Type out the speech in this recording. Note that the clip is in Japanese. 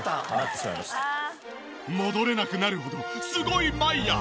戻れなくなるほどすごいマイヤー。